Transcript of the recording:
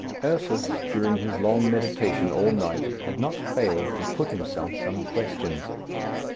'" Ursus, during his long meditation all night, had not failed to put himself some questions.